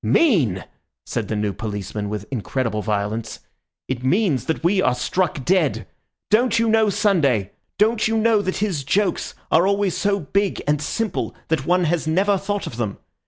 "Mean!" said the new policeman with incredible violence. "It means that we are struck dead! Don't you know Sunday? Don't you know that his jokes are always so big and simple that one has never thought of them?